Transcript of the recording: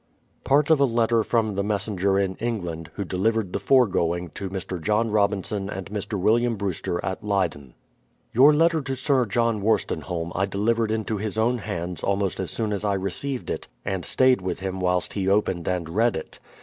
Part of a letter from the messenger in England, who delivered the foregoing, to Mr. John Robinson and Mr. William Brewster at Ley den: Vour letter to Sir John Worstenholme I delivered into his own hands almost as soon as I received it, and stayed with him whilst he opened and read it.